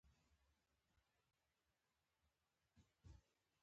دا سیمه تل د پښتو ادب ملاتړې او پالونکې پاتې شوې ده